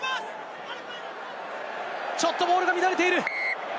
ちょっとボールが乱れている！